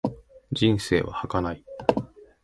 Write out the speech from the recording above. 人生は儚い。